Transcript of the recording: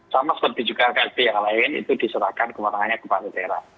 sama seperti juga klb yang lain itu diserahkan kewenangannya kepada daerah